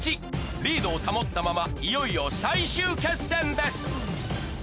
リードを保ったままいよいよ最終決戦です